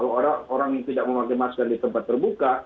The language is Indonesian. orang orang yang tidak memakai masker di tempat terbuka